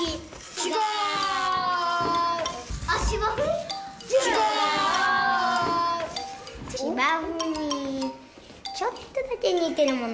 しばふにちょっとだけにてるもの。